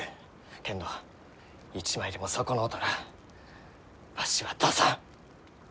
けんど一枚でも損のうたらわしは出さん！